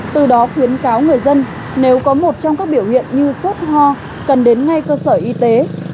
từ đó khuyến cáo người dân nếu có một trong các biểu hiện như sốt ho cần đến ngay cơ sở y tế